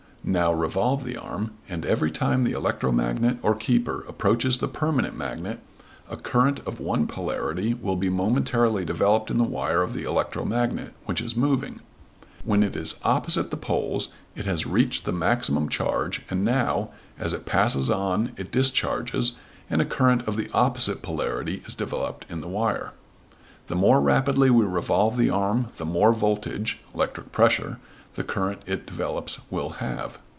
Now revolve the arm, and every time the electromagnet or keeper approaches the permanent magnet a current of one polarity will be momentarily developed in the wire of the electromagnet, which is moving. When it is opposite the poles, it has reached the maximum charge and, now, as it passes on it discharges and a current of the opposite polarity is developed in the wire. The more rapidly we revolve the arm the more voltage (electrical pressure) the current it develops will have.